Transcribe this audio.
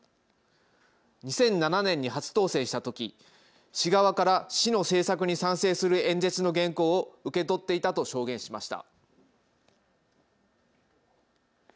２００７年に初当選したとき市側から市の政策に賛成する演説の原稿を受け取っていたと証言しました。